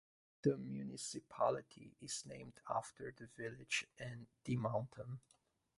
The municipality is named after the village and the mountain.